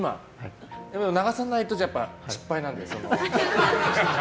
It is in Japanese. でも流さないと失敗なんです。